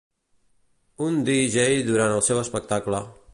Un DJ durant el seu espectacle